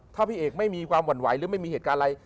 ถ้าพี่เอกไม่มีความหวั่นไหวหรือไม่มีเหตุการณ์อะไร